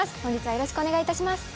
よろしくお願いします。